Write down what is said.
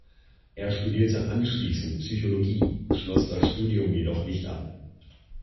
Er studierte anschliessend Psychologie, schloss das Studium jedoch nicht ab.